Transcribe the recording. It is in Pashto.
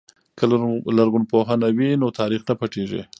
که لرغونپوهنه وي نو تاریخ نه پټیږي.